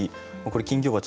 これ「金魚鉢」